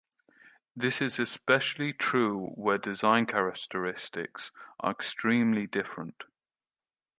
This is especially true where design characteristics are extremely different.